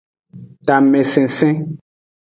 Tamesensen.